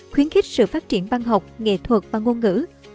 khuyến khích sự phát triển văn học nghệ thuật và ngôn ngữ